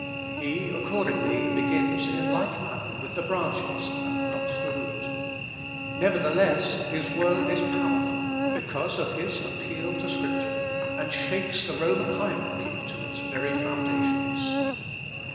He, accordingly, begins in like manner with the branches, and not the root. Nevertheless, his word is powerful, because of his appeal to Scripture, and shakes the Roman hierarchy to its very foundations.